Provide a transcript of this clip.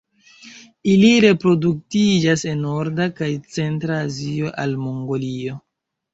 Ili reproduktiĝas en norda kaj centra Azio al Mongolio.